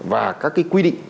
và các cái quy định